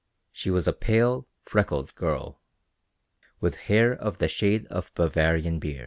She was a pale, freckled girl, with hair of the shade of Bavarian beer.